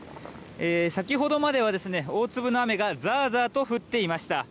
先ほどまでは大粒の雨がザーザーと降っていました。